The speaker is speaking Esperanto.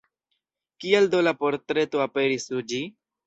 Kial do la portreto aperis sur ĝi?